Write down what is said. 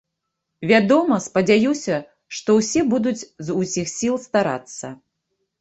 Вядома, спадзяюся, што ўсе будуць з усіх сіл старацца.